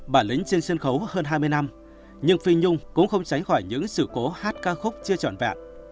bản lĩnh trên sân khấu hơn hai mươi năm nhưng phi nhung cũng không tránh khỏi những sự cố hát ca khúc chưa trọn vẹn